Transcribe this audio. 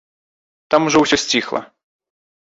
Там ужо ўсё сціхла.